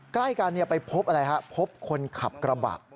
ใกล้กันไปพบอะไรฮะพบคนขับกระบะ